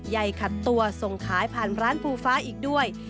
ใหญ่ขัดตัวส่งขายผ่านร้านภูฟ้าอีกด้วย